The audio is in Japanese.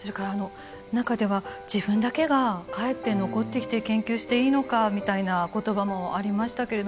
それから中では自分だけが帰って残ってきて研究していいのかみたいな言葉もありましたけれども。